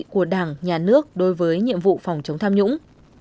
của đảng nhà nước đối với nhiệm vụ phòng chống tham nhũng